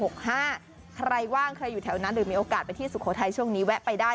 ใครว่างใครอยู่แถวนั้นหรือมีโอกาสไปที่สุโขทัยช่วงนี้แวะไปได้